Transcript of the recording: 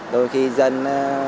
đôi khi dân